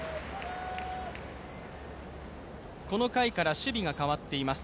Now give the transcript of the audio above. この回から守備が代わっています。